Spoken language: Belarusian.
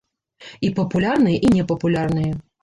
І папулярныя, і непапулярныя.